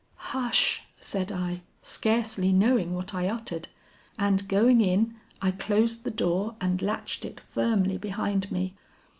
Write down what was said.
"'Hush!' said I, scarcely knowing what I uttered; and going in, I closed the door and latched it firmly behind me.